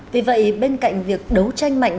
vì vậy bên cạnh việc đấu tranh mạnh